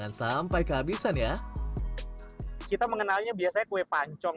kue buroncok terbuat dari campuran tepung serta kue pancong